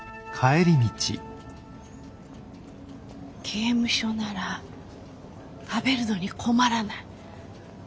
刑務所なら食べるのに困らない。